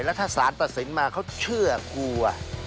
แล้วถ้าสารตัดสินมาเขาเชื่อกลัว